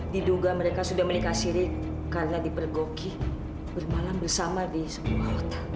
diduga mereka sudah menikah siri karena dipergoki bermalam bersama kamu